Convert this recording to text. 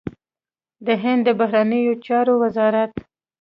د هند د بهرنيو چارو وزارت